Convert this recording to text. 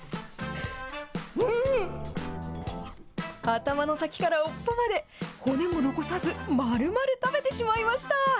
頭の先から尾っぽまで、骨も残さず、まるまる食べてしまいました。